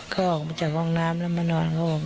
ก็ออกมาจากห้องน้ำแล้วมานอนเขาบอก